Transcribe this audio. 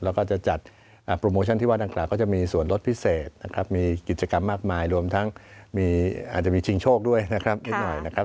แล้วก็จะจัดโปรโมชั่นที่ว่าดังกล่าก็จะมีส่วนลดพิเศษนะครับมีกิจกรรมมากมายรวมทั้งอาจจะมีชิงโชคด้วยนะครับนิดหน่อยนะครับ